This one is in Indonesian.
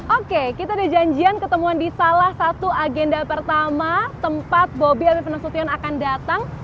oke kita ada janjian ketemuan di salah satu agenda pertama tempat bobby habib nasution akan datang